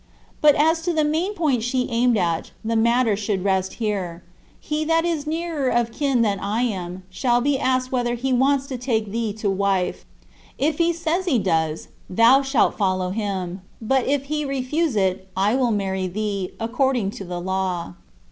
But as to the main point she aimed at, the matter should rest here,"He that is nearer of kin than I am, shall be asked whether he wants to take thee to wife: if he says he does, thou shalt follow him; but if he refuse it, I will marry thee, according to the law."